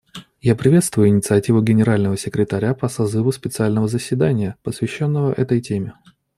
Я приветствую инициативу Генерального секретаря по созыву специального заседания, посвященного этой теме.